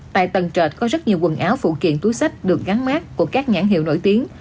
tại tầng trệt có rất nhiều quần áo phụ kiện túi sách được gắn mát của các nhãn hiệu nổi tiếng